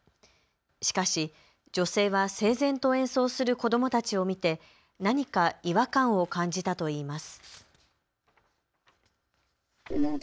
しかし、女性は整然と演奏する子どもたちを見て何か違和感を感じたといいます。